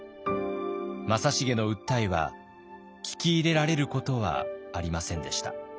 正成の訴えは聞き入れられることはありませんでした。